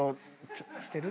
してる？